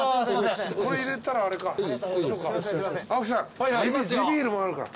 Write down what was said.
青木さん地ビールもあるから。